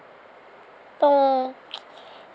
ตรง